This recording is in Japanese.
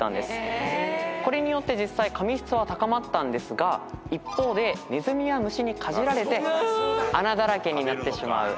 これによって実際紙質は高まったんですが一方でネズミや虫にかじられて穴だらけになってしまう。